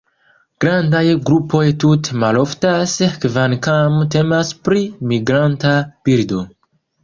Grandaj grupoj tute maloftas, kvankam temas pri migranta birdo.